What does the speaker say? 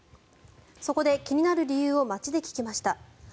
そこで気になる理由を街で聞きました。